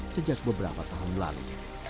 sejak beberapa tahun lalu